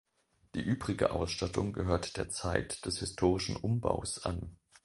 Die übrige Ausstattung gehört der Zeit des historistischen Umbaus an.